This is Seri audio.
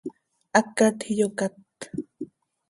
Hacat iyocát.